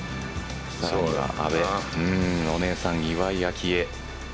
さらには阿部お姉さん、岩井明愛。